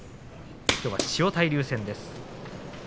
きょうは千代大龍戦です。